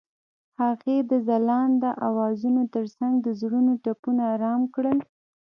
هغې د ځلانده اوازونو ترڅنګ د زړونو ټپونه آرام کړل.